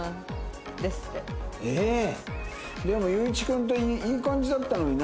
でも優一君といい感じだったのにな。